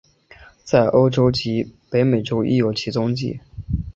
在欧洲及北美洲亦有其踪影。